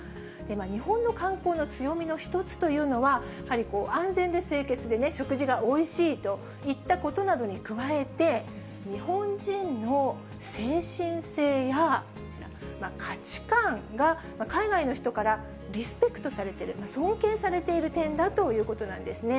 日本の観光の強みの一つというのは、やはり安全で清潔で、食事がおいしいといったことなどに加えて、日本人の精神性や、こちら、価値観が海外の人からリスペクトされてる、尊敬されている点だということなんですね。